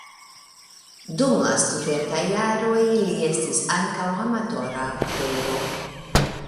Dum la studentaj jaroj li estis ankaŭ amatora aktoro.